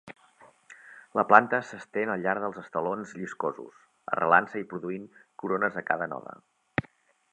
La planta s'estén al llarg dels estolons lliscosos, arrelant-se i produint corones a cada node.